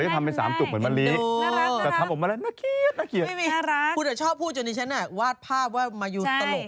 พูดเลยชอบพูดจนอิฉันน่ะวาดภาพว่ามายูตรก